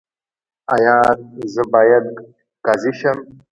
ایا زه باید قاضي شم؟